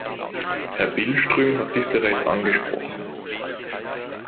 Herr Billström hat dies bereits angesprochen.